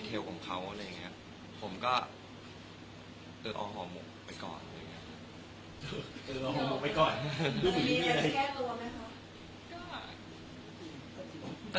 เต๋ยค่อนข้างเป็นควรแบบ